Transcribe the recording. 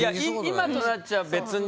「今となっちゃ別に」